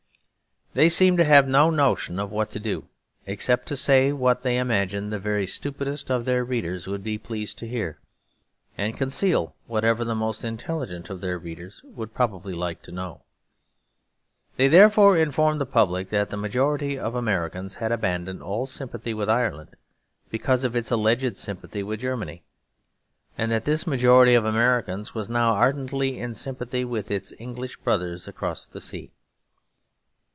They seem to have no notion of what to do, except to say what they imagine the very stupidest of their readers would be pleased to hear, and conceal whatever the most intelligent of their readers would probably like to know. They therefore informed the public that 'the majority of Americans' had abandoned all sympathy with Ireland, because of its alleged sympathy with Germany; and that this majority of Americans was now ardently in sympathy with its English brothers across the sea.